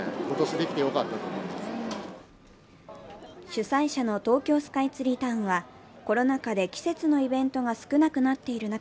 主催者の東京スカイツリータウンは、コロナ禍で季節のイベントが少なくなっている中、